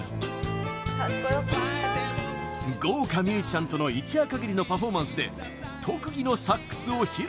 豪華ミュージシャンとの一夜限りのパフォーマンスで特技のサックスを披露。